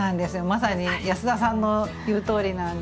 まさに安田さんの言うとおりなんです。